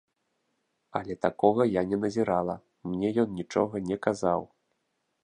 Але такога я не назірала, мне ён нічога не казаў.